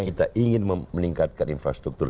kita ingin meningkatkan infrastruktur